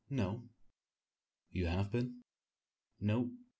"No." "You have been?" "No."